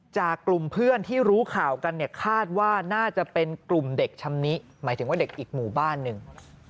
จากกลุ่มเพื่อนที่รู้ข่าวกันเนี่ยคาดว่าน่าจะเป็นกลุ่มเด็กชำนิหมายถึงว่าเด็กอีกหมู่บ้านหนึ่ง